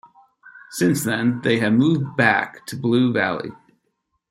Since then, they have moved back to Blue Valley.